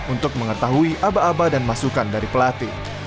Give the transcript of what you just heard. untuk mengetahui aba aba dan masukan dari pelatih